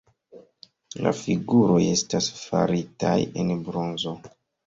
La figuroj estas faritaj el bronzo.